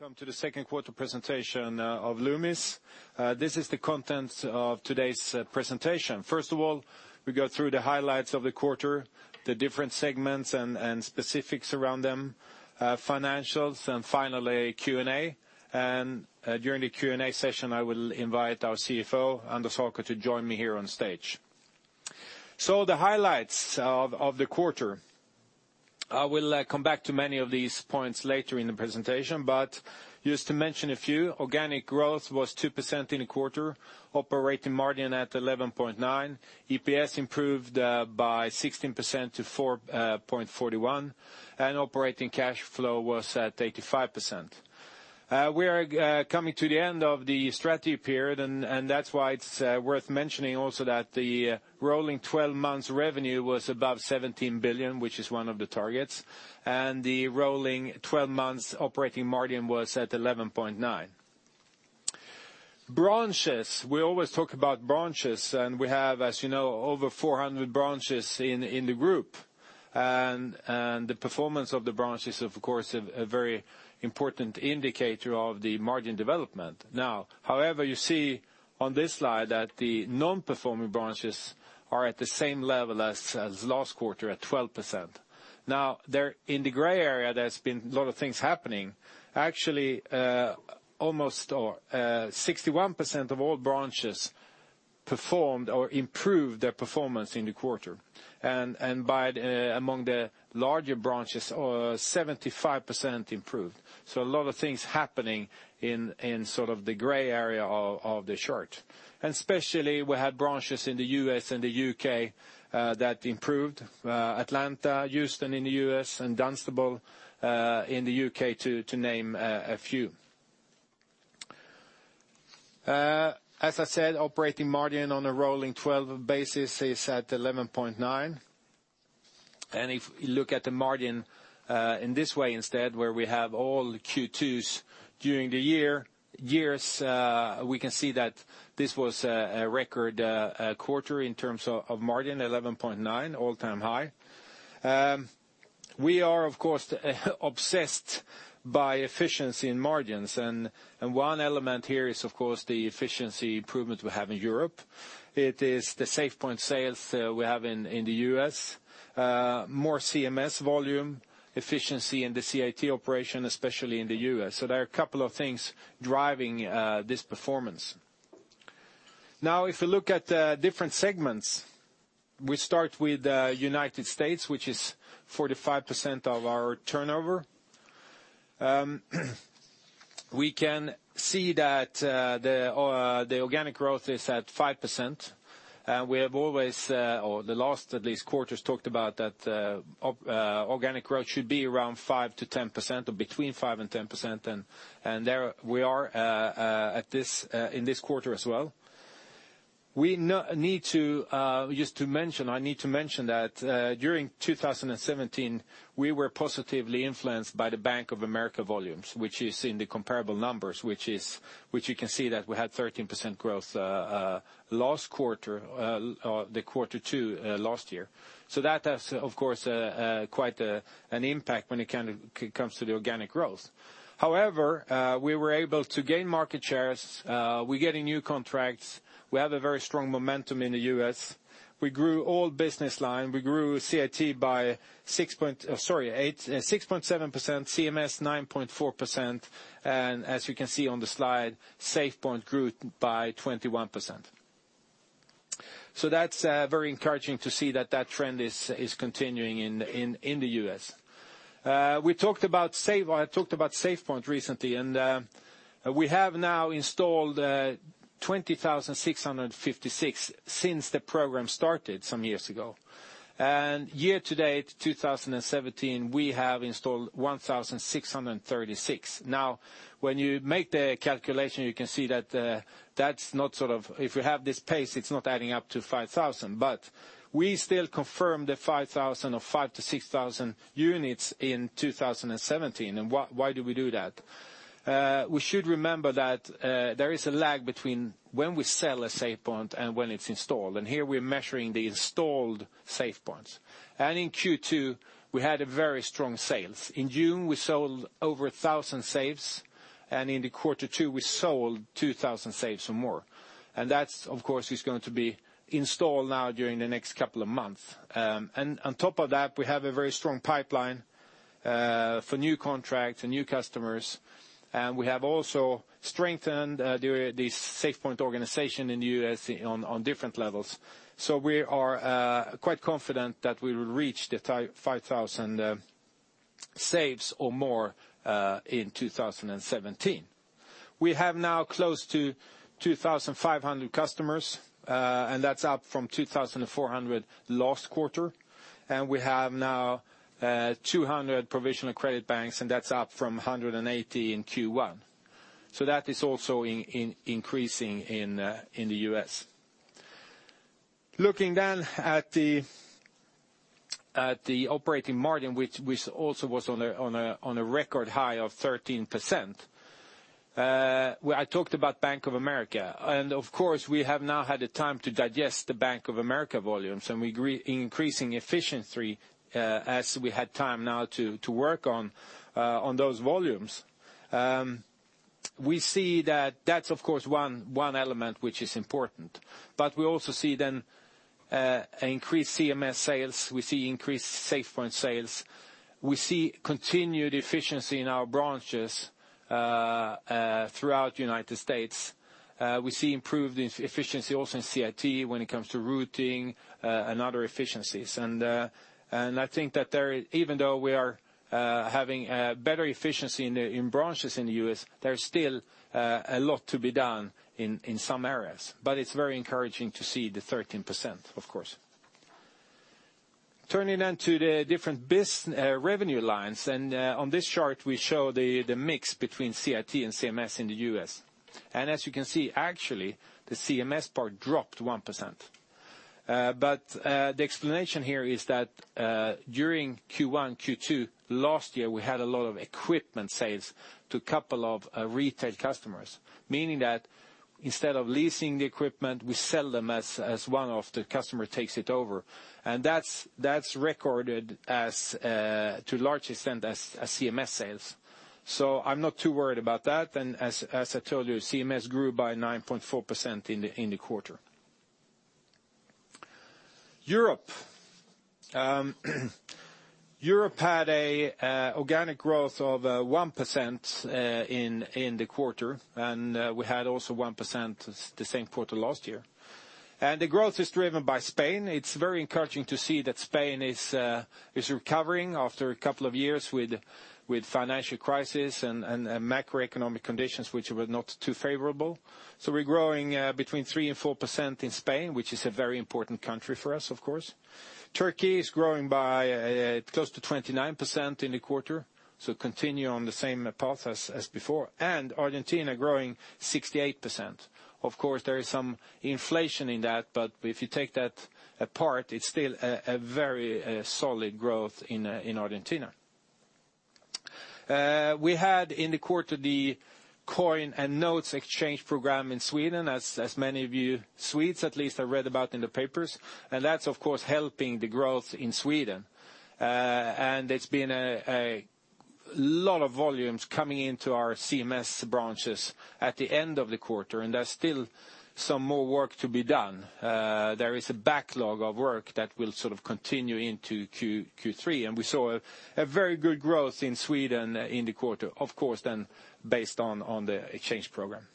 Welcome to the second quarter presentation of Loomis. This is the content of today's presentation. First of all, we go through the highlights of the quarter, the different segments and specifics around them, financials, and finally Q&A. During the Q&A session, I will invite our CFO, Anders Haker, to join me here on stage. So the highlights of the quarter. I will come back to many of these points later in the presentation, but just to mention a few, organic growth was 2% in the quarter, operating margin at 11.9%, EPS improved by 16% to 4.41, and operating cash flow was at 85%. We are coming to the end of the strategy period, and that's why it's worth mentioning also that the rolling 12 months revenue was above 17 billion, which is one of the targets, and the rolling 12 months operating margin was at 11.9%. Branches. We always talk about branches, and we have, as you know, over 400 branches in the group. The performance of the branches is, of course, a very important indicator of the margin development. However, you see on this slide that the non-performing branches are at the same level as last quarter at 12%. In the gray area, there's been a lot of things happening. Actually, 61% of all branches performed or improved their performance in the quarter. Among the larger branches, 75% improved. So a lot of things happening in the gray area of the chart. Especially, we had branches in the U.S. and the U.K. that improved. Atlanta, Houston in the U.S., and Dunstable in the U.K., to name a few. As I said, operating margin on a rolling 12 basis is at 11.9%. If you look at the margin in this way instead, where we have all Q2s during the years, we can see that this was a record quarter in terms of margin, 11.9%, all-time high. We are, of course, obsessed by efficiency and margins, and one element here is of course the efficiency improvements we have in Europe. It is the SafePoint sales we have in the U.S., more CMS volume efficiency in the CIT operation, especially in the U.S. So there are a couple of things driving this performance. If you look at different segments, we start with United States, which is 45% of our turnover. We can see that the organic growth is at 5%. We have always, or the last at least quarters talked about that organic growth should be around 5%-10% or between 5% and 10%. There we are in this quarter as well. I need to mention that during 2017, we were positively influenced by the Bank of America volumes, which is in the comparable numbers, which you can see that we had 13% growth last quarter or the quarter two last year. That has, of course, quite an impact when it comes to the organic growth. We were able to gain market shares. We're getting new contracts. We have a very strong momentum in the U.S. We grew all business line. We grew CIT by 6.7%, CMS 9.4%, and as you can see on the slide, SafePoint grew by 21%. So that's very encouraging to see that trend is continuing in the U.S. I talked about SafePoint recently, and we have now installed 20,656 since the program started some years ago. Year to date, 2017, we have installed 1,636. When you make the calculation, you can see that if you have this pace, it's not adding up to 5,000. We still confirm the 5,000 or 5,000-6,000 units in 2017, and why do we do that? We should remember that there is a lag between when we sell a SafePoint and when it's installed, and here we're measuring the installed SafePoints. In Q2, we had a very strong sales. In June, we sold over 1,000 safes, and in the Q2, we sold 2,000 safes or more. That's, of course, is going to be installed now during the next couple of months. On top of that, we have a very strong pipeline for new contracts and new customers, and we have also strengthened the SafePoint organization in the U.S. on different levels. We are quite confident that we will reach the 5,000 safes or more in 2017. We have now close to 2,500 customers, and that's up from 2,400 last quarter. We have now 200 provisional credit banks, and that's up from 180 in Q1. That is also increasing in the U.S. Looking at the operating margin, which also was on a record high of 13%. Where I talked about Bank of America. Of course, we have now had the time to digest the Bank of America volumes, and we're increasing efficiency as we had time now to work on those volumes. We see that that's, of course, one element which is important. We also see increased CMS sales. We see increased SafePoint sales. We see continued efficiency in our branches throughout United States. We see improved efficiency also in CIT when it comes to routing and other efficiencies. I think that even though we are having better efficiency in branches in the U.S., there's still a lot to be done in some areas. It's very encouraging to see the 13%, of course. Turning to the different revenue lines, on this chart, we show the mix between CIT and CMS in the U.S. As you can see, actually, the CMS part dropped 1%. The explanation here is that during Q1, Q2 last year, we had a lot of equipment sales to a couple of retail customers, meaning that instead of leasing the equipment, we sell them as one of the customer takes it over. That's recorded to a large extent as CMS sales. I'm not too worried about that. As I told you, CMS grew by 9.4% in the quarter. Europe. Europe had a organic growth of 1% in the quarter, we had also 1% the same quarter last year. The growth is driven by Spain. It's very encouraging to see that Spain is recovering after a couple of years with financial crisis and macroeconomic conditions which were not too favorable. We're growing between 3% and 4% in Spain, which is a very important country for us, of course. Turkey is growing by close to 29% in the quarter, so continue on the same path as before. Argentina growing 68%. Of course, there is some inflation in that, but if you take that apart, it's still a very solid growth in Argentina. We had in the quarter the coin and notes exchange program in Sweden, as many of you Swedes at least have read about in the papers. That's of course helping the growth in Sweden. It's been a lot of volumes coming into our CMS branches at the end of the quarter, there's still some more work to be done. There is a backlog of work that will continue into Q3, we saw a very good growth in Sweden in the quarter, of course, then based on the exchange program.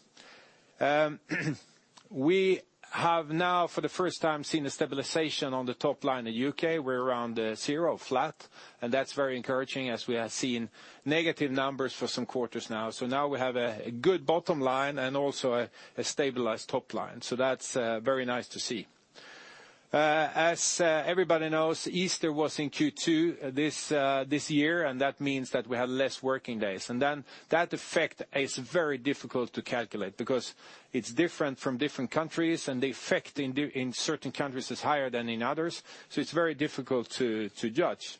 We have now for the first time seen a stabilization on the top line in U.K. We're around zero flat, that's very encouraging as we have seen negative numbers for some quarters now. Now we have a good bottom line and also a stabilized top line. That's very nice to see. As everybody knows, Easter was in Q2 this year, that means that we had less working days. That effect is very difficult to calculate because it's different from different countries, the effect in certain countries is higher than in others. It's very difficult to judge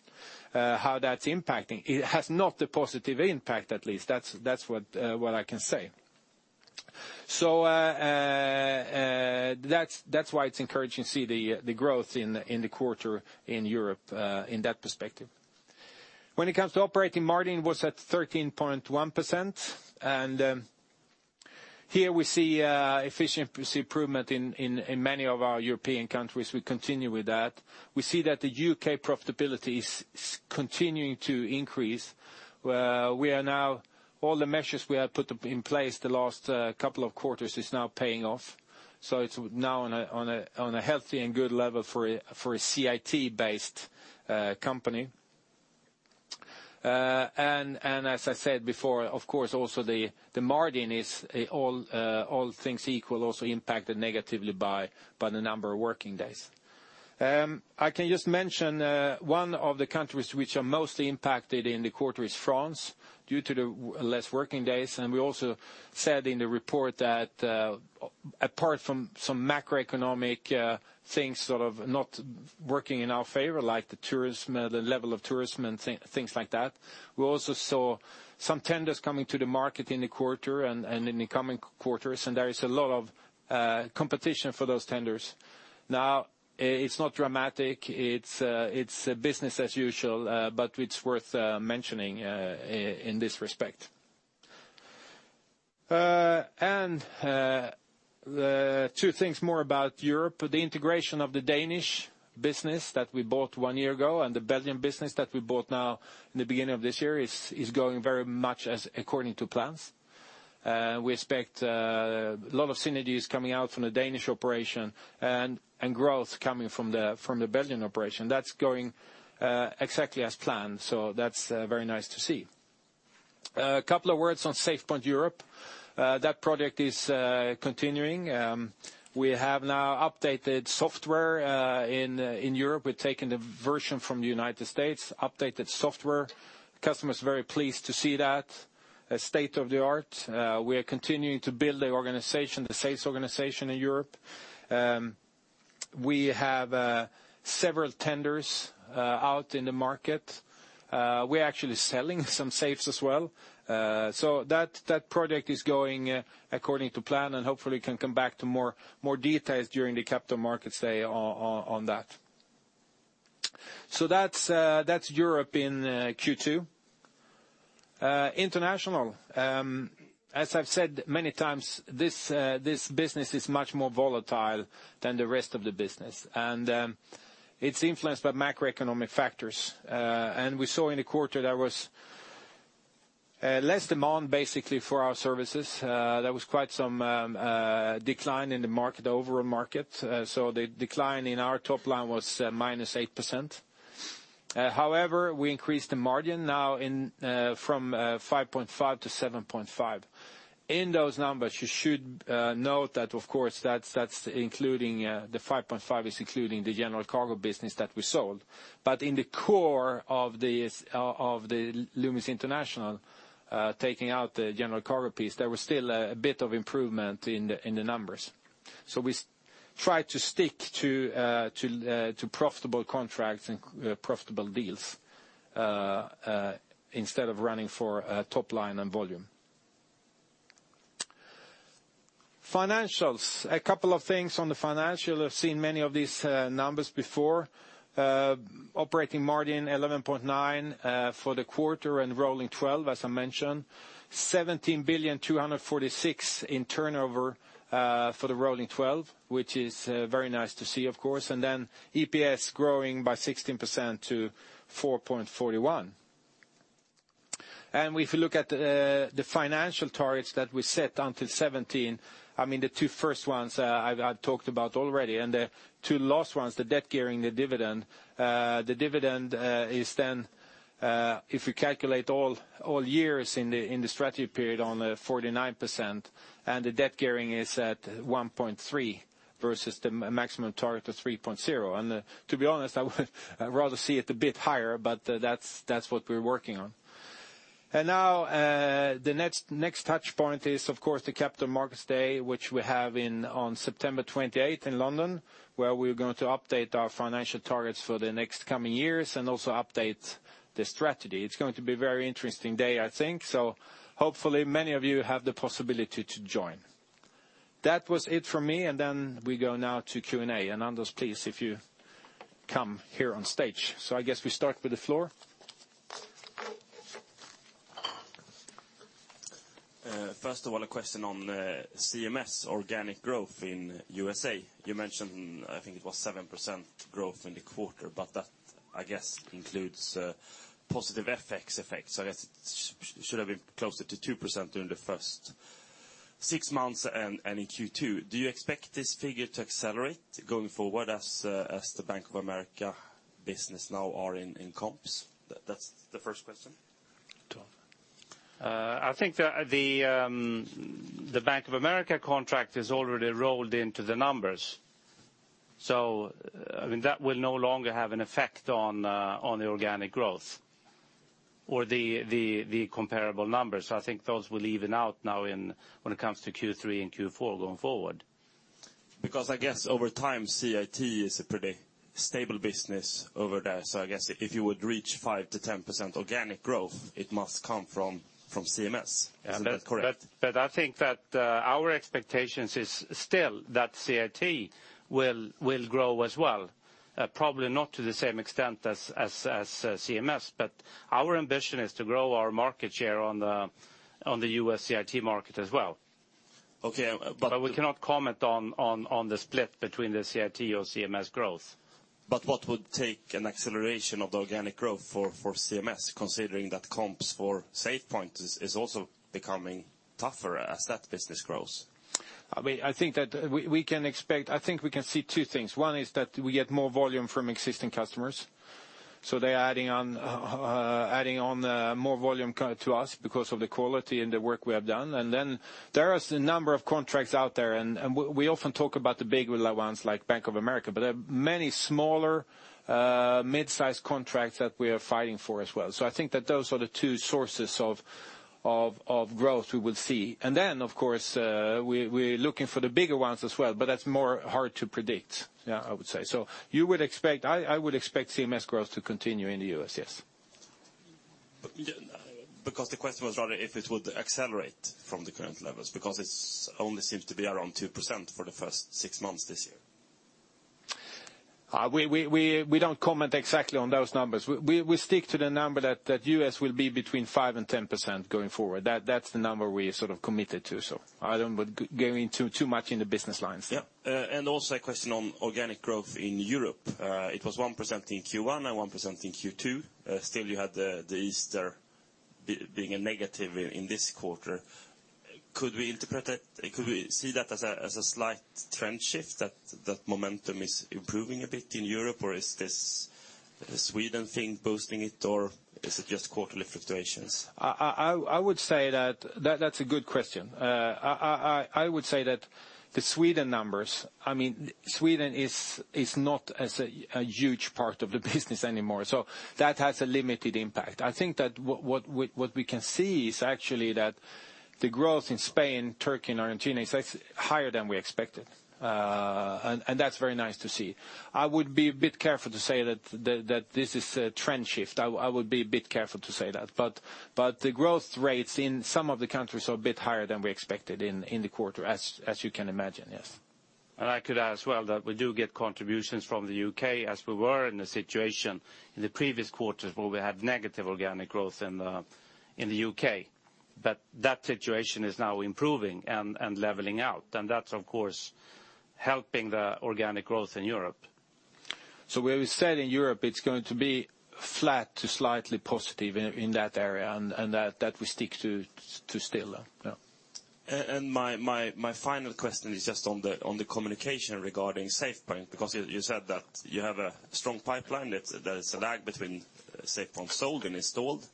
how that's impacting. It has not a positive impact, at least. That's what I can say. That's why it's encouraging to see the growth in the quarter in Europe in that perspective. When it comes to operating margin was at 13.1%, here we see efficiency improvement in many of our European countries. We continue with that. We see that the U.K. profitability is continuing to increase. All the measures we have put in place the last couple of quarters is now paying off. It's now on a healthy and good level for a CIT-based company. As I said before, of course, also the margin is all things equal also impacted negatively by the number of working days. I can just mention one of the countries which are mostly impacted in the quarter is France due to the less working days, we also said in the report that apart from some macroeconomic things not working in our favor like the level of tourism and things like that. We also saw some tenders coming to the market in the quarter and in the coming quarters, there is a lot of competition for those tenders. It's not dramatic. It's business as usual. It's worth mentioning in this respect. Two things more about Europe. The integration of the Danish business that we bought one year ago and the Belgian business that we bought now in the beginning of this year is going very much according to plans. We expect a lot of synergies coming out from the Danish operation and growth coming from the Belgian operation. That's going exactly as planned, that's very nice to see. A couple of words on SafePoint Europe. That project is continuing. We have now updated software in Europe. We've taken the version from the United States, updated software. The customer is very pleased to see that. State of the art. We are continuing to build the organization, the sales organization in Europe. We have several tenders out in the market. We're actually selling some safes as well. That project is going according to plan and hopefully can come back to more details during the Capital Markets Day on that. International, as I've said many times, this business is much more volatile than the rest of the business, and it's influenced by macroeconomic factors. We saw in the quarter there was less demand, basically, for our services. There was quite some decline in the overall market. The decline in our top line was -8%. However, we increased the margin now from 5.5% to 7.5%. In those numbers, you should note that, of course, the 5.5% is including the general cargo business that we sold. In the core of the Loomis International, taking out the general cargo piece, there was still a bit of improvement in the numbers. We try to stick to profitable contracts and profitable deals instead of running for top line and volume. Financials. A couple of things on the financial. You've seen many of these numbers before. Operating margin 11.9% for the quarter and rolling 12, as I mentioned. 17.246 billion in turnover for the rolling 12, which is very nice to see, of course. EPS growing by 16% to 4.41. If you look at the financial targets that we set until 2017, the two first ones I've talked about already, and the two last ones, the debt gearing, the dividend. The dividend is, if you calculate all years in the strategy period, on 49%, and the debt gearing is at 1.3 versus the maximum target of 3.0. To be honest, I would rather see it a bit higher, but that's what we're working on. The next touch point is, of course, the Capital Markets Day, which we have on September 28th in London, where we're going to update our financial targets for the next coming years and also update the strategy. It's going to be a very interesting day, I think. Hopefully many of you have the possibility to join. That was it from me, we go now to Q&A. Anders, please, if you come here on stage. I guess we start with the floor. First of all, a question on CMS organic growth in U.S.A. You mentioned, I think it was 7% growth in the quarter, but that, I guess, includes positive FX effects. I guess it should have been closer to 2% during the first six months and in Q2. Do you expect this figure to accelerate going forward as the Bank of America business now are in comps? That's the first question. [inaudible] I think the Bank of America contract is already rolled into the numbers. That will no longer have an effect on the organic growth or the comparable numbers. I think those will even out now when it comes to Q3 and Q4 going forward. I guess over time, CIT is a pretty stable business over there. I guess if you would reach 5%-10% organic growth, it must come from CMS. Is that correct? I think that our expectation is still that CIT will grow as well. Probably not to the same extent as CMS, but our ambition is to grow our market share on the U.S. CIT market as well. Okay. We cannot comment on the split between the CIT or CMS growth. What would take an acceleration of the organic growth for CMS, considering that comps for SafePoint is also becoming tougher as that business grows? I think we can see two things. One is that we get more volume from existing customers. They're adding on more volume to us because of the quality and the work we have done. Then there is a number of contracts out there, and we often talk about the big ones like Bank of America, but there are many smaller, mid-size contracts that we are fighting for as well. I think that those are the two sources of growth we will see. Then, of course, we're looking for the bigger ones as well, but that's more hard to predict, I would say. I would expect CMS growth to continue in the U.S., yes. The question was rather if it would accelerate from the current levels, because it only seems to be around 2% for the first six months this year. We don't comment exactly on those numbers. We stick to the number that U.S. will be between 5% and 10% going forward. That's the number we committed to. I don't want to go into too much in the business lines. Yeah. Also a question on organic growth in Europe. It was 1% in Q1 and 1% in Q2. Still you had the Easter being a negative in this quarter. Could we see that as a slight trend shift, that momentum is improving a bit in Europe, or is this Sweden thing boosting it, or is it just quarterly fluctuations? That's a good question. I would say that the Sweden numbers, Sweden is not as a huge part of the business anymore, so that has a limited impact. I think that what we can see is actually that the growth in Spain, Turkey, and Argentina is actually higher than we expected. That's very nice to see. I would be a bit careful to say that this is a trend shift. I would be a bit careful to say that. The growth rates in some of the countries are a bit higher than we expected in the quarter, as you can imagine, yes. I could add as well that we do get contributions from the U.K. as we were in the situation in the previous quarters where we had negative organic growth in the U.K., but that situation is now improving and leveling out. That's, of course, helping the organic growth in Europe. Where we said in Europe, it's going to be flat to slightly positive in that area, and that we stick to still. Yeah. My final question is just on the communication regarding SafePoint, because you said that you have a strong pipeline, that there is a lag between SafePoint sold and installed.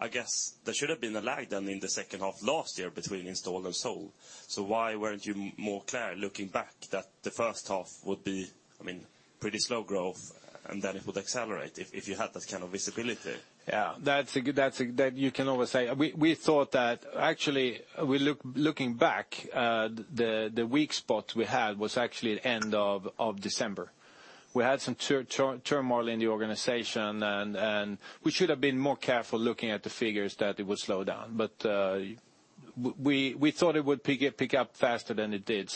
I guess there should have been a lag then in the second half last year between installed and sold. Why weren't you more clear looking back that the first half would be pretty slow growth, and then it would accelerate if you had that kind of visibility? Yeah. Actually, looking back, the weak spot we had was actually the end of December. We had some turmoil in the organization, and we should have been more careful looking at the figures that it would slow down. We thought it would pick up faster than it did.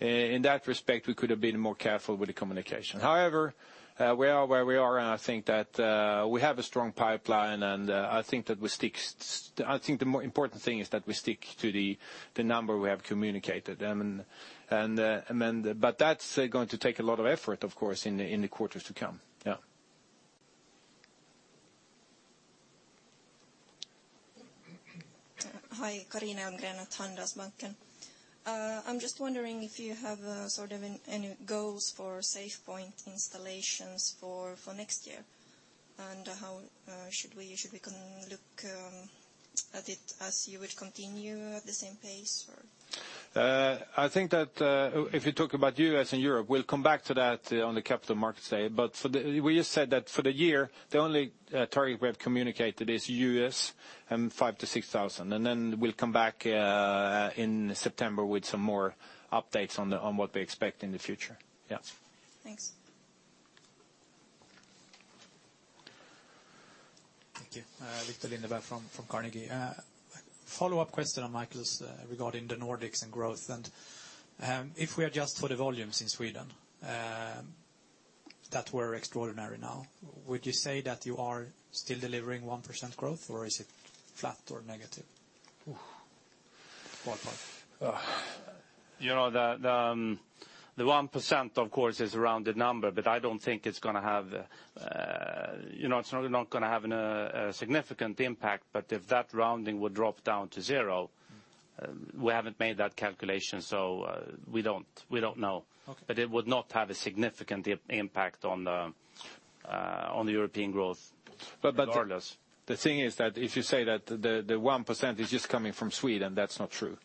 In that respect, we could have been more careful with the communication. However, we are where we are, and I think that we have a strong pipeline, and I think the more important thing is that we stick to the number we have communicated. That's going to take a lot of effort, of course, in the quarters to come. Yeah. Hi. Karina Algreen at Handelsbanken. I'm just wondering if you have any goals for SafePoint installations for next year. How should we look at it as you would continue at the same pace, or? I think that if you talk about U.S. and Europe, we'll come back to that on the Capital Markets Day. We just said that for the year, the only target we have communicated is U.S. and 5,000-6,000. We'll come back in September with some more updates on what we expect in the future. Yeah. Thanks. Thank you. Viktor Lindeberg from Carnegie. Follow-up question on Michael's regarding the Nordics and growth. If we adjust for the volumes in Sweden that were extraordinary now, would you say that you are still delivering 1% growth, or is it flat or negative? The 1%, of course, is a rounded number, but I don't think it's going to have a significant impact. If that rounding would drop down to zero, we haven't made that calculation, so we don't know. Okay. It would not have a significant impact on the European growth regardless. The thing is that if you say that the 1% is just coming from Sweden, that's not true.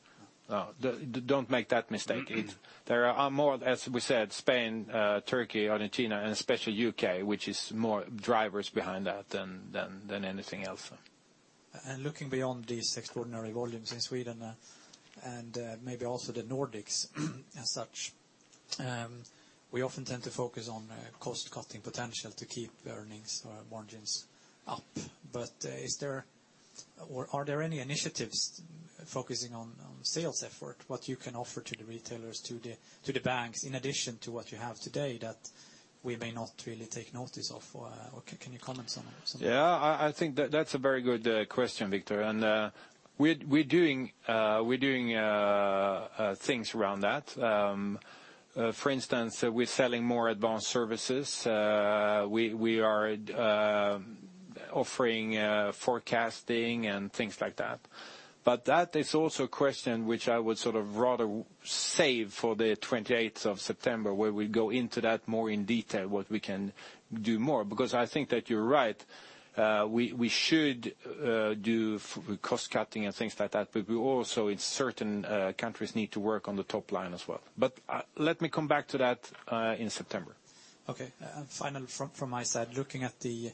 No. Don't make that mistake. There are more, as we said, Spain, Turkey, Argentina, and especially U.K., which is more drivers behind that than anything else. Looking beyond these extraordinary volumes in Sweden and maybe also the Nordics as such, we often tend to focus on cost-cutting potential to keep earnings or margins up. Are there any initiatives focusing on sales effort, what you can offer to the retailers, to the banks, in addition to what you have today that we may not really take notice of? Can you comment on that or something? Yeah, I think that's a very good question, Viktor. We're doing things around that. For instance, we're selling more advanced services. We are offering forecasting and things like that. That is also a question which I would rather save for the 28th of September, where we go into that more in detail, what we can do more, because I think that you're right. We should do cost-cutting and things like that, we also, in certain countries, need to work on the top line as well. Let me come back to that in September. Okay. Final from my side, looking at the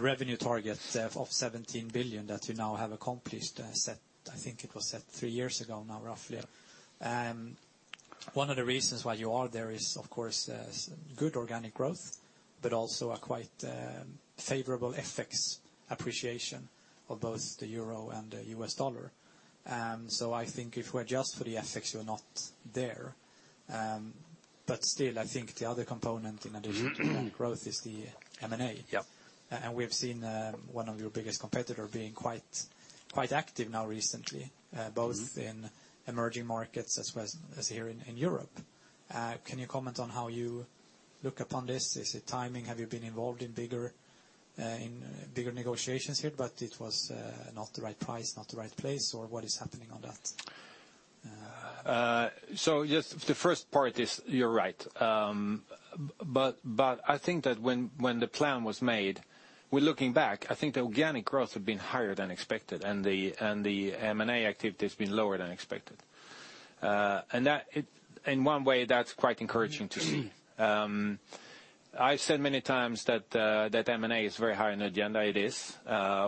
revenue target of 17 billion that you now have accomplished, I think it was set 3 years ago now, roughly. One of the reasons why you are there is, of course, good organic growth, but also a quite favorable FX appreciation of both the EUR and the U.S. dollar. I think if we adjust for the FX, you're not there. Still, I think the other component in addition to that growth is the M&A. Yeah. We have seen one of your biggest competitor being quite active now recently. both in emerging markets as well as here in Europe. Can you comment on how you look upon this? Is it timing? Have you been involved in bigger negotiations here, but it was not the right price, not the right place, or what is happening on that? Just the first part is you're right. I think that when the plan was made, with looking back, I think the organic growth had been higher than expected, and the M&A activity has been lower than expected. In one way, that's quite encouraging to see. I've said many times that M&A is very high on the agenda. It is.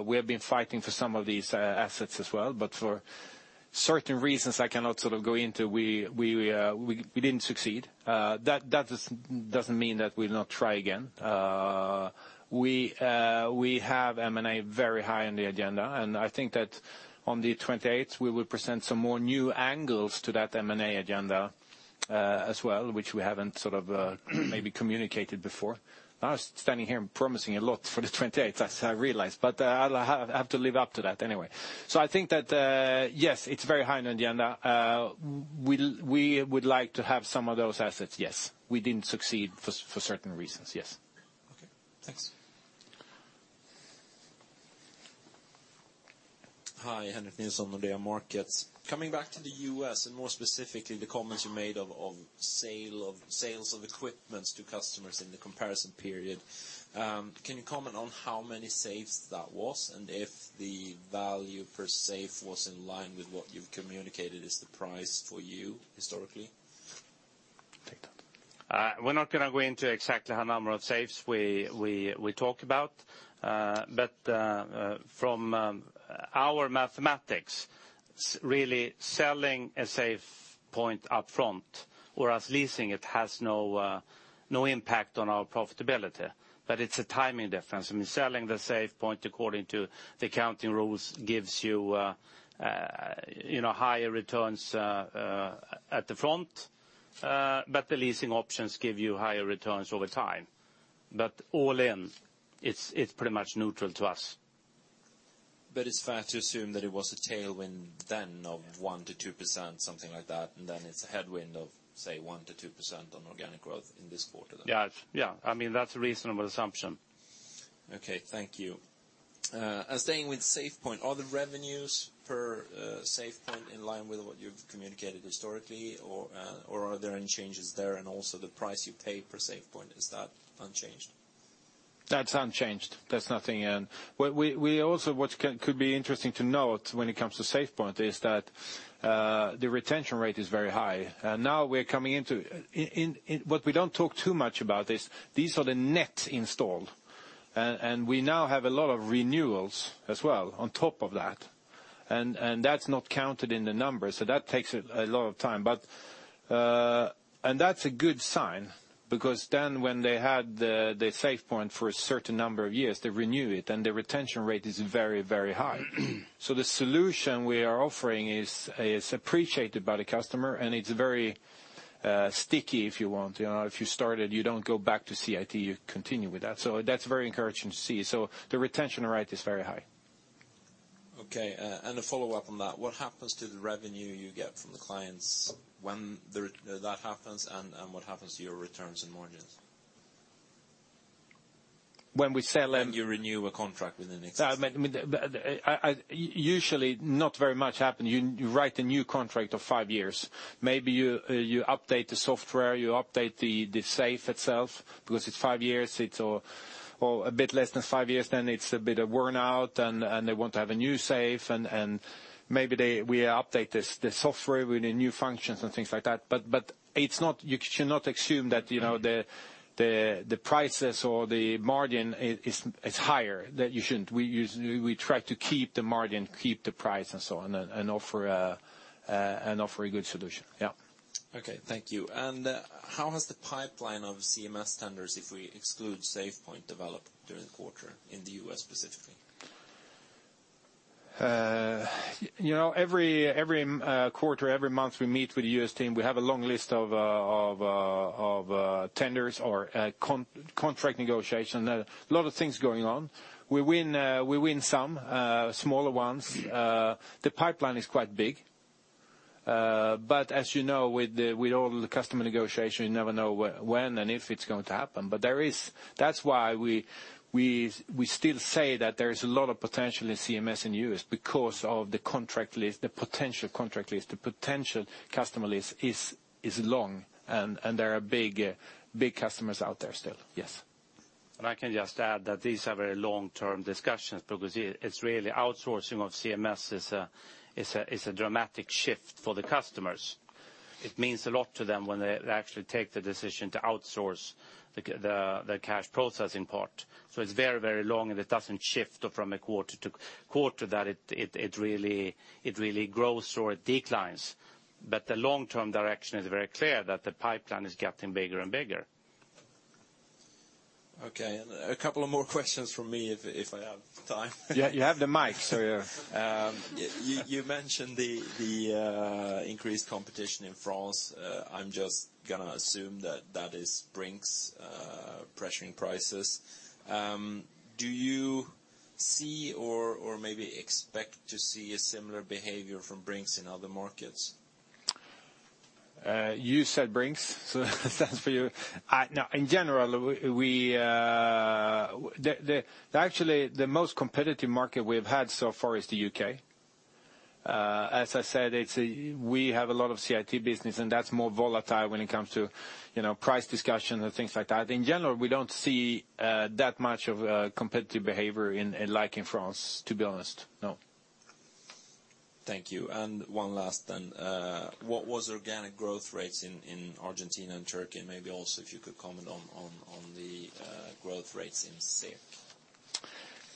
We have been fighting for some of these assets as well, but for certain reasons I cannot go into, we didn't succeed. That doesn't mean that we'll not try again. We have M&A very high on the agenda, and I think that on the 28th we will present some more new angles to that M&A agenda as well, which we haven't maybe communicated before. I was standing here promising a lot for the 28th, as I realize, but I have to live up to that anyway. I think that, yes, it's very high on the agenda. We would like to have some of those assets, yes. We didn't succeed for certain reasons. Yes. Okay, thanks. Hi, Henrik Nilsson with DNB Markets. Coming back to the U.S., and more specifically the comments you made of sales of equipments to customers in the comparison period. Can you comment on how many safes that was, and if the value per safe was in line with what you've communicated is the price for you historically? Take that. We're not going to go into exactly how number of safes we talk about. From our mathematics, really selling a SafePoint up front, whereas leasing it has no impact on our profitability. It's a timing difference. I mean, selling the SafePoint according to the accounting rules gives you higher returns at the front, but the leasing options give you higher returns over time. All in, it's pretty much neutral to us. It's fair to assume that it was a tailwind then of 1%-2%, something like that, and then it's a headwind of, say, 1%-2% on organic growth in this quarter then. Yeah. I mean, that's a reasonable assumption. Okay, thank you. Staying with SafePoint, are the revenues per SafePoint in line with what you've communicated historically or are there any changes there? Also the price you pay per SafePoint, is that unchanged? That's unchanged. What could be interesting to note when it comes to SafePoint is that the retention rate is very high. Now we're coming into-- what we don't talk too much about is these are the net installed, and we now have a lot of renewals as well on top of that. That's not counted in the numbers, so that takes a lot of time. That's a good sign because then when they had the SafePoint for a certain number of years, they renew it, and the retention rate is very high. The solution we are offering is appreciated by the customer, and it's very sticky, if you want. If you started, you don't go back to CIT, you continue with that. That's very encouraging to see. The retention rate is very high. Okay, a follow-up on that. What happens to the revenue you get from the clients when that happens, what happens to your returns and margins? When we sell them? When you renew a contract with an existing- Usually not very much happens. You write a new contract of five years. Maybe you update the software, you update the safe itself because it's five years, it's a bit less than five years, then it's a bit worn out, and they want to have a new safe, and maybe we update the software with the new functions and things like that. You should not assume that the prices or the margin is higher, that you shouldn't. We try to keep the margin, keep the price and so on, and offer a good solution. Yeah. Okay, thank you. How has the pipeline of CMS tenders, if we exclude SafePoint, developed during the quarter in the U.S. specifically? Every quarter, every month we meet with the U.S. team, we have a long list of tenders or contract negotiation, a lot of things going on. We win some smaller ones. The pipeline is quite big. As you know, with all the customer negotiation, you never know when and if it's going to happen. That's why we still say that there is a lot of potential in CMS in the U.S. because of the contract list, the potential contract list, the potential customer list is long, and there are big customers out there still. Yes. I can just add that these are very long-term discussions because it's really outsourcing of CMS is a dramatic shift for the customers. It means a lot to them when they actually take the decision to outsource the cash processing part. It's very long, it doesn't shift from quarter to quarter that it really grows or it declines. The long-term direction is very clear that the pipeline is getting bigger and bigger. Okay. A couple of more questions from me if I have time. You have the mic, yeah. You mentioned the increased competition in France. I'm just going to assume that that is Brink's pressuring prices. Do you see or maybe expect to see a similar behavior from Brink's in other markets? You said Brink's, that's for you. In general, actually the most competitive market we've had so far is the U.K. As I said, we have a lot of CIT business, and that's more volatile when it comes to price discussion and things like that. In general, we don't see that much of a competitive behavior like in France, to be honest. No. Thank you. One last then. What was organic growth rates in Argentina and Turkey? Maybe also if you could comment on the growth rates in SEK.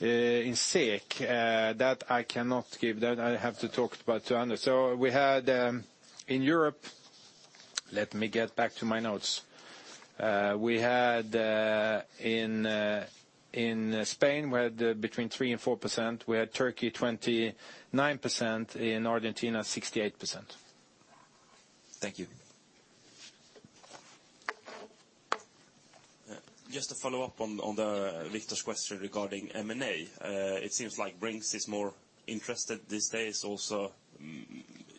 In SEK, that I cannot give. That I have to talk about to Anders. We had in Europe. Let me get back to my notes. In Spain, we had between 3% and 4%. We had Turkey 29%, in Argentina 68%. Thank you. Just to follow up on Viktor's question regarding M&A, it seems like Brink's is more interested these days also.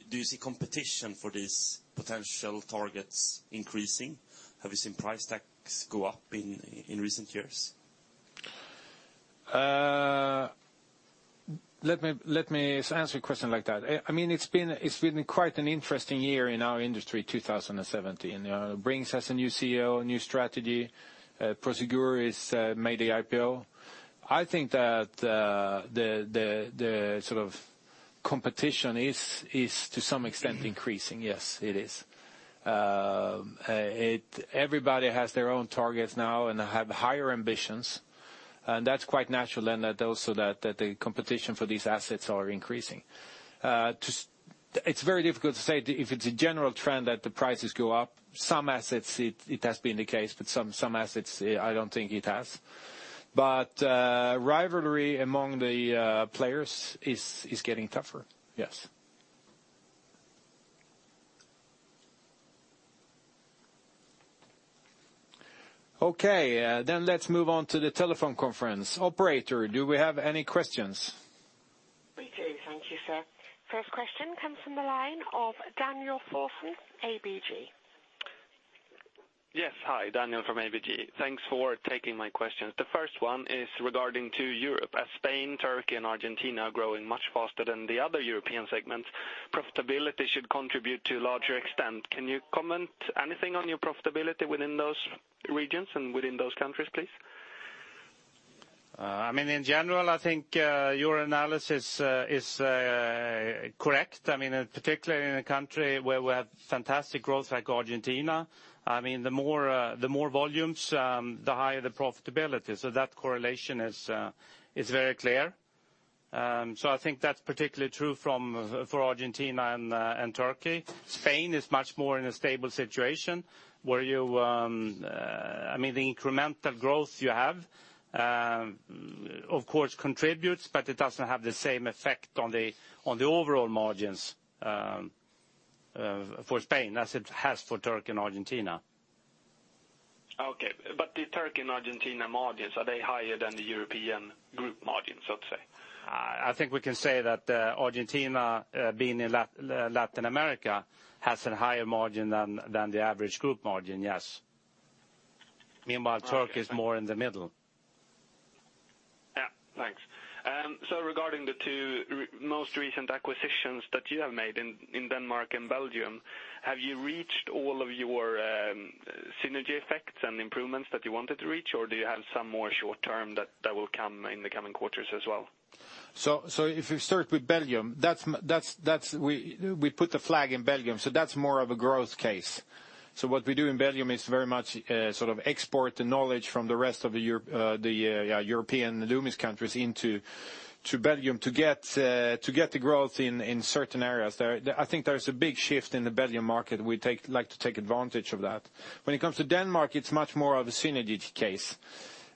Do you see competition for these potential targets increasing? Have you seen price tags go up in recent years? Let me answer your question like that. It's been quite an interesting year in our industry, 2017. Brink's has a new CEO, a new strategy. Prosegur has made the IPO. I think that the competition is to some extent increasing. Yes, it is. Everybody has their own targets now and have higher ambitions, and that's quite natural, and also that the competition for these assets are increasing. It's very difficult to say if it's a general trend that the prices go up. Some assets it has been the case, but some assets I don't think it has. Rivalry among the players is getting tougher, yes. Okay, let's move on to the telephone conference. Operator, do we have any questions? We do. Thank you, sir. First question comes from the line of Daniel Forslund, ABG. Yes, hi. Daniel from ABG. Thanks for taking my questions. The first one is regarding to Europe. As Spain, Turkey, and Argentina are growing much faster than the other European segments, profitability should contribute to a larger extent. Can you comment anything on your profitability within those regions and within those countries, please? In general, I think your analysis is correct. Particularly in a country where we have fantastic growth like Argentina, the more volumes, the higher the profitability. That correlation is very clear. I think that's particularly true for Argentina and Turkey. Spain is much more in a stable situation where the incremental growth you have of course contributes, but it doesn't have the same effect on the overall margins for Spain as it has for Turkey and Argentina. Okay. The Turkey and Argentina margins, are they higher than the European group margins, let's say? I think we can say that Argentina, being in Latin America, has a higher margin than the average group margin, yes. Meanwhile, Turkey is more in the middle. Yeah, thanks. Regarding the two most recent acquisitions that you have made in Denmark and Belgium, have you reached all of your synergy effects and improvements that you wanted to reach? Or do you have some more short-term that will come in the coming quarters as well? If we start with Belgium, we put the flag in Belgium, that's more of a growth case. What we do in Belgium is very much export the knowledge from the rest of the European Loomis countries into Belgium to get the growth in certain areas there. I think there's a big shift in the Belgium market, we'd like to take advantage of that. When it comes to Denmark, it's much more of a synergy case.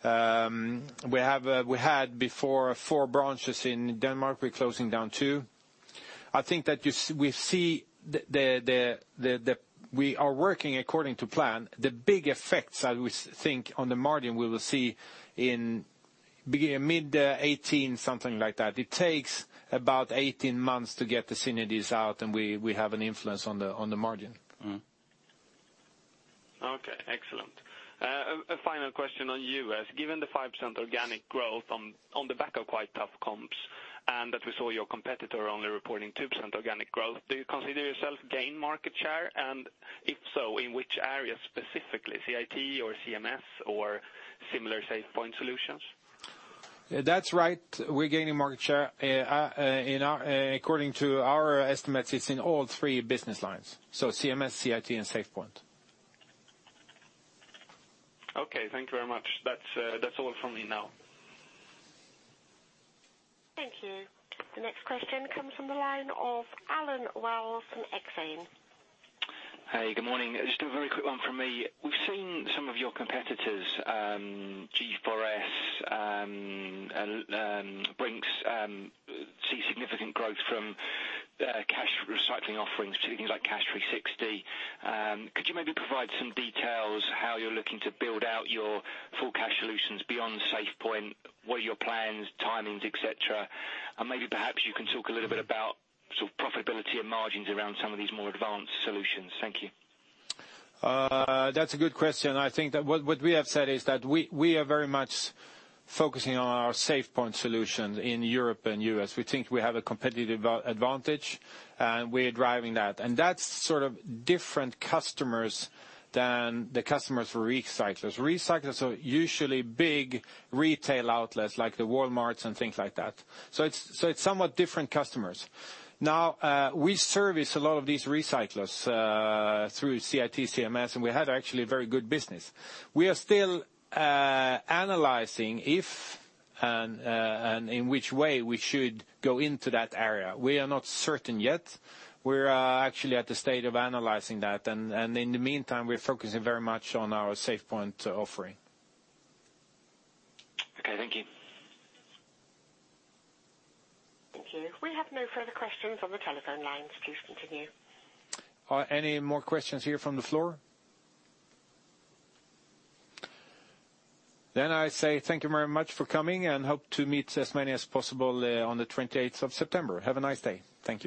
We had before four branches in Denmark. We're closing down two. We are working according to plan. The big effects that we think on the margin we will see in mid 2018, something like that. It takes about 18 months to get the synergies out and we have an influence on the margin. Okay, excellent. A final question on you is, given the 5% organic growth on the back of quite tough comps, that we saw your competitor only reporting 2% organic growth, do you consider yourself gain market share? If so, in which area specifically, CIT or CMS or similar SafePoint solutions? That's right, we're gaining market share. According to our estimates, it's in all three business lines, CMS, CIT, and SafePoint. Okay, thank you very much. That's all from me now. Thank you. The next question comes from the line of Alan Wells from Exane. Hey, good morning. Just a very quick one from me. We've seen some of your competitors, G4S and Brink's, see significant growth from Cash 360 offerings, particularly things like Cash 360. Could you maybe provide some details how you're looking to build out your full cash solutions beyond SafePoint? What are your plans, timings, et cetera? Maybe perhaps you can talk a little bit about profitability and margins around some of these more advanced solutions. Thank you. That's a good question. I think that what we have said is that we are very much focusing on our SafePoint solution in Europe and U.S. We think we have a competitive advantage, we are driving that. That's different customers than the customers for recyclers. Recyclers are usually big retail outlets like the Walmarts and things like that. It's somewhat different customers. Now, we service a lot of these recyclers through CIT, CMS, we had actually a very good business. We are still analyzing if and in which way we should go into that area. We are not certain yet. We are actually at the stage of analyzing that, in the meantime, we're focusing very much on our SafePoint offering. Okay, thank you. Thank you. We have no further questions on the telephone lines. Please continue. Any more questions here from the floor? I say thank you very much for coming and hope to meet as many as possible on the 28th of September. Have a nice day. Thank you.